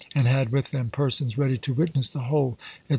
and had with them persons ready to witness the whole, &c.